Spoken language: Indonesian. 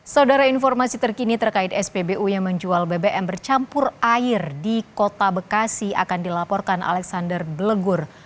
saudara informasi terkini terkait spbu yang menjual bbm bercampur air di kota bekasi akan dilaporkan alexander belegur